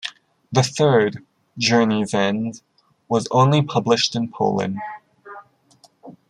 The third, Journey's End, was only published in Poland.